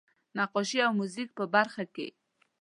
نقاشۍ او موزیک په برخه کې.